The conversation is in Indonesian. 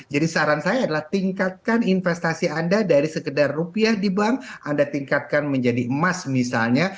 jadi saran saya adalah tingkatkan investasi anda dari sekedar rupiah di bank anda tingkatkan menjadi emas misalnya